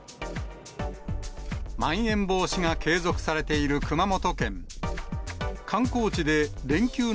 まん延防止が継続されている熊本県。